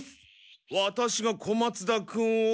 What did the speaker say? ワタシが小松田君を？